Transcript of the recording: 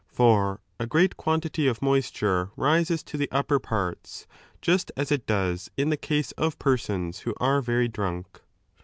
For a great quantity of moisture rises to the upper parta, just as it does in the case of persons who are very drunk.